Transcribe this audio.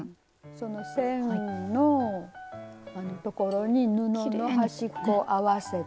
その線のところに布の端っこを合わせて。